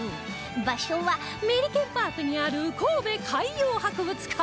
場所はメリケンパークにある神戸海洋博物館